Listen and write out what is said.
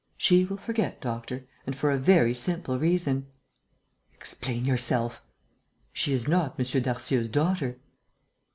"She will forget, doctor, and for a very simple reason...." "Explain yourself!" "She is not M. Darcieux's daughter!"